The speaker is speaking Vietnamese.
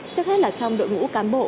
trước hết là trong đội ngũ cán bộ